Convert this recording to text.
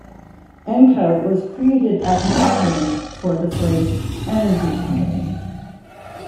Enco was created as an acronym for the phrase "Energy Company".